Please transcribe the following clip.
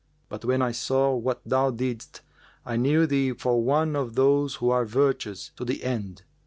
But, when I saw what thou didst, I knew thee for one of those who are virtuous to the end.